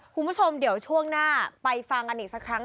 คุณผู้ชมเดี๋ยวช่วงหน้าไปฟังกันอีกสักครั้ง